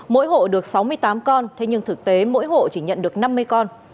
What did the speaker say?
mỗi hộ được sáu mươi tám con thế nhưng thực tế mỗi hộ chỉ nhận được năm mươi con